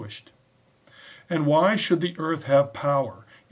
* And why should the earth have power, 4ic.